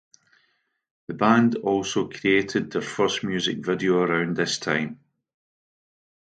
The band also created their first music videos around this time.